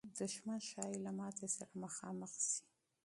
دښمن ښایي له ماتې سره مخامخ سي.